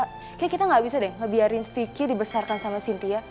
kayaknya kita gak bisa deh ngebiarin vicky dibesarkan sama sintia